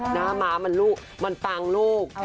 หน้าม้ามันลูกมันปังลูก